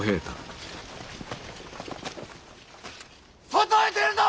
外へ出るぞ！